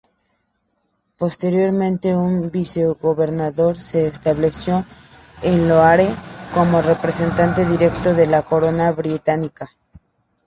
Posteriormente, un vicegobernador se estableció en Lahore como representante directo de la Corona Británica.